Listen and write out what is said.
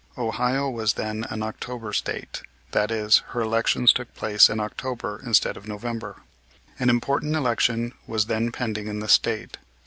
(Ohio was then an October State, that is, her elections took place in October instead of November.) An important election was then pending in that State.